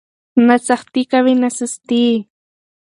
نه سختي کوئ نه سستي.